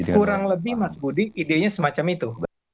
kurang lebih mas budi idenya semacam itu